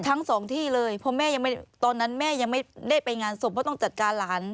ทั้งสองที่เลยเพราะแม่ยังไม่ตอนนั้นแม่ยังไม่ได้ไปงานศพเพราะต้องจัดการหลาน